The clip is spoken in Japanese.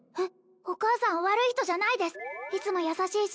お母さんは悪い人じゃないですいつも優しいし